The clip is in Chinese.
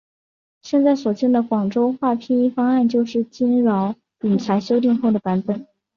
现在所见的广州话拼音方案就是经饶秉才修订后的版本。